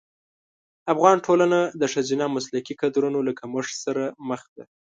افغان ټولنه د ښځینه مسلکي کدرونو له کمښت سره مخ ده.